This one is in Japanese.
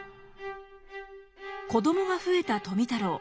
子どもが増えた富太郎。